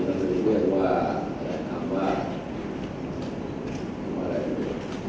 การแตกตัวแบบนี้มันก็มอบตัวการรักเหตุฯ